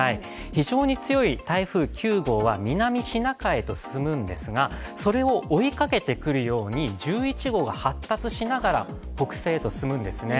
非常に強い台風９号は南シナ海へと進むんですがそれを追いかけてくるように１１号が発達しながら北西へと進むんですね。